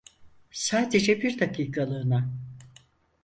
Sadece bir dakikalığına.